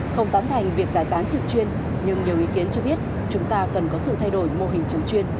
không tán thành việc giải tán trực chuyên nhưng nhiều ý kiến cho biết chúng ta cần có sự thay đổi mô hình trường chuyên